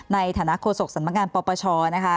ในฐานะโฆษกสำนักงานปปชนะคะ